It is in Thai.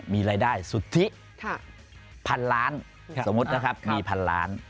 มีรายได้สุทธิพันล้านสมมุตินะครับมีพันล้าน